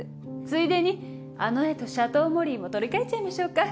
ついでにあの絵とシャトーモリーも取り換えちゃいましょうか。